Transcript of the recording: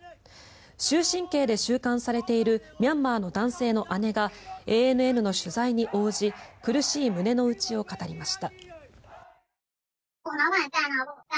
終身刑で収監されているミャンマーの男性の姉がＡＮＮの取材に応じ苦しい胸の内を語りました。